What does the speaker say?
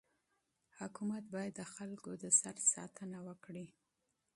حکومت باید د خلکو د سر ساتنه وکړي.